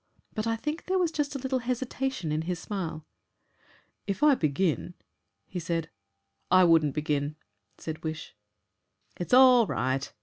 But I think there was just a little hesitation in his smile. "If I begin " he said. "I wouldn't begin," said Wish. "It's all right!"